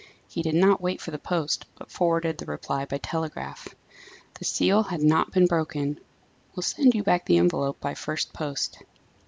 He did not wait for the post, but forwarded the reply by telegraph "The seal had not been broken. Will send you back the envelope by first post."